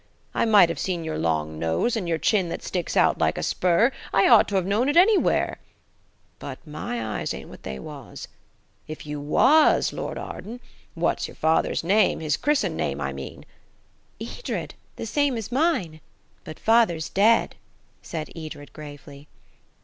I might have seen your long nose and your chin that sticks out like a spur. I ought to have known it anywhere. But my eyes ain't what they was. If you was Lord Arden–What's your father's name–his chrissened name, I mean?" "Edred, the same as mine. But father's dead," said Edred gravely.